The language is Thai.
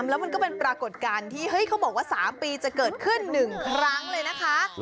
แล้วมันก็เป็นปรากฏการณ์ที่เฮ้ยเขาบอกว่า๓ปีจะเกิดขึ้น๑ครั้งเลยนะคะ